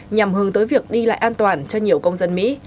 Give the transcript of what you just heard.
nhằm hướng tới việc đi lại an toàn cho nhiều công dân mỹ